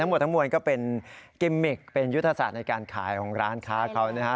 หมดทั้งมวลก็เป็นกิมมิกเป็นยุทธศาสตร์ในการขายของร้านค้าเขานะฮะ